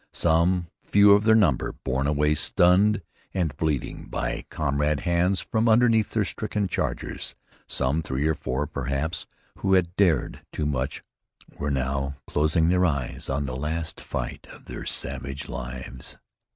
Some few of their number, borne away stunned and bleeding by comrade hands from underneath their stricken chargers, some three or four, perhaps, who had dared too much, were now closing their eyes on the last fight of their savage lives.